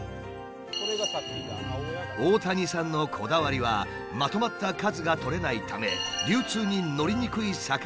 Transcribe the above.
大谷さんのこだわりはまとまった数がとれないため流通に乗りにくい魚に光を当てること。